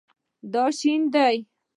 دا شین دی